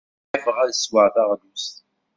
Smenyafeɣ ad sweɣ taɣlust.